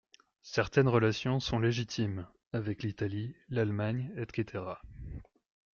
Certaines relations sont légitimes, avec l’Italie, l’Allemagne etc.